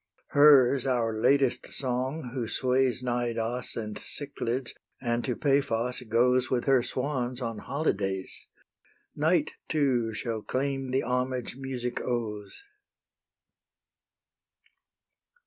Hers our latest song, who sways Cnidos and Cyclads, and to Paphos goes With her swans, on holydays; Night too shall claim the homage music owes.